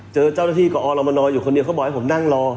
เจอเจ้าหน้าที่กอรมนอยู่คนเดียวเขาบอกให้ผมนั่งรอ